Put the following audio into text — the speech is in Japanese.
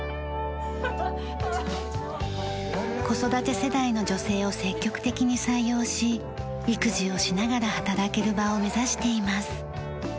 子育て世代の女性を積極的に採用し育児をしながら働ける場を目指しています。